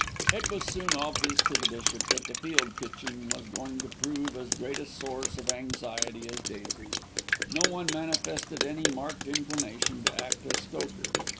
It was soon obvious to the bishop that the field kitchen was going to prove as great a source of anxiety as Daisy. No one manifested any marked inclination to act as stoker.